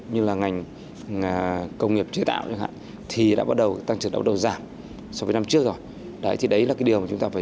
như là ngành công nghiệp chế tạo chẳng hạn thì đã bắt đầu tăng trưởng đã bắt đầu giảm so với năm trước rồi